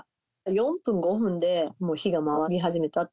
４分、５分でもう火が回り始めた。